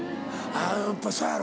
やっぱそうやろ。